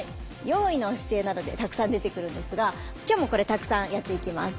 用意の姿勢などでたくさん出てくるんですが今日もこれたくさんやっていきます。